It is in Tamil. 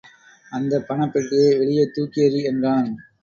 அந்தப் பணப்பெட்டியை வெளியே தூக்கியெறி! என்றான்.